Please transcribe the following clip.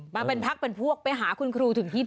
มาเป็นพักเป็นพวกไปหาคุณครูถึงที่